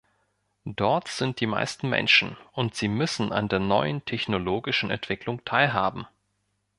Dort sind die meisten Menschen, und sie müssen an der neuen technologischen Entwicklung teilhaben.